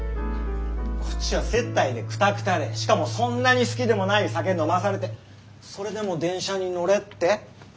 こっちは接待でクタクタでしかもそんなに好きでもない酒飲まされてそれでも電車に乗れって？